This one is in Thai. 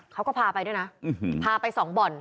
เขาก็พาไปด้วยนะพาไปสองบ่อน